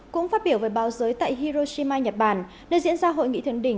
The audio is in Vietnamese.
cũng phát biểu về bao giới tại hiroshima nhật bản nơi diễn ra hội nghị thượng đỉnh